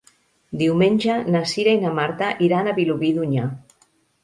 Diumenge na Cira i na Marta iran a Vilobí d'Onyar.